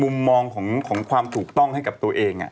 มุมมองของความถูกต้องให้กับตัวเอง